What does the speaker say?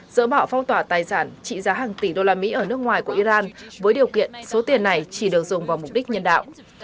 dỡ bỏ phong tỏa tài sản trị giá hàng tỷ đô la mỹ ở nước ngoài của iran với điều kiện số tiền này chỉ được dùng vào mục đích nhân đạo